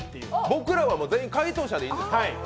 僕らは全員解答者でいいんですか？